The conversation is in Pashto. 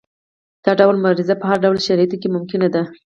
دا ډول مبارزه په هر ډول شرایطو کې ممکنه ده.